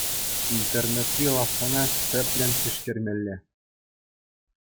Интернетри лавккана тӗплӗн тишкермелле.